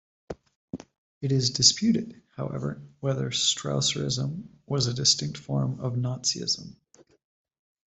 It is disputed, however, whether Strasserism was a distinct form of Nazism.